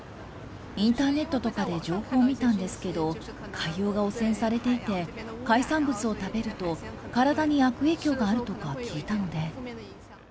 インターネットとかで情報を見たんですけど、海洋が汚染されていて、海産物を食べると、体に悪影響があるとか聞いたので。